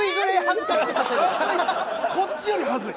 こっちより恥ずい。